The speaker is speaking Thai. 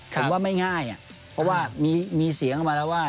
ผมว่าไม่ง่ายเพราะว่ามีเสียงออกมาแล้วว่า